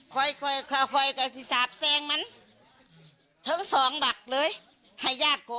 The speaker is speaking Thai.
ค่อยค่อยค่อยค่อยกับสิสาบแช่งมันทั้งสองบักเลยไข่ญาติ